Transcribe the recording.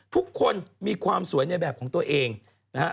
ทุกคนมีความสวยในแบบของตัวเองนะฮะ